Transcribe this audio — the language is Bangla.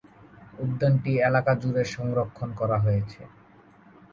উদ্যানটি এলাকাজুড়ে সংরক্ষন করা হয়েছে।